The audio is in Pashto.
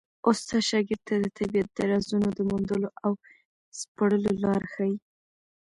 استاد شاګرد ته د طبیعت د رازونو د موندلو او سپړلو لاره ښيي.